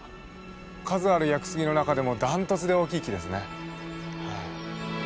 数ある屋久杉の中でもダントツで大きい木ですね。